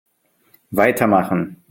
Weitermachen!